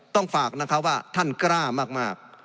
ต้องฝากนะคะว่าท่านกล้ามาก